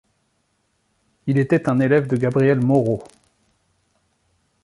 Il était un élève de Gabriel Moreau.